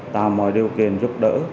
tạo mọi điều kiện giúp đỡ